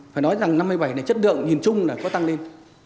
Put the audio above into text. phải nói rằng năm hai nghìn một mươi bảy này chất lượng nhìn chung là có tăng lên